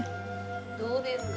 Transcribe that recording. どうですか？